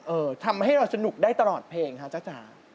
ทำให้เราสนุกได้ตลอดเพลงคะจ๊ะจ๋า